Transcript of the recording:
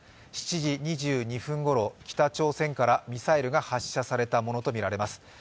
７時２２分ごろ、北朝鮮からミサイルが発射されたものとみられます。